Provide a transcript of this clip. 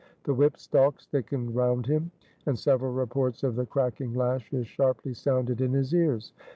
The whip stalks thickened around him, and several reports of the cracking lashes sharply sounded in his ears.